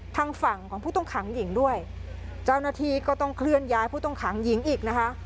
ทางฝั่งของผู้ต้องขังหญิงด้วยเจ้าหน้าที่ก็ต้องเคลื่อนย้ายผู้ต้องขังหญิงอีกนะคะ